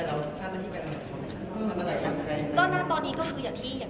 เอาจริงเรื่องความรักมันไม่มีใครโง่ไม่มีใครชะละค่ะ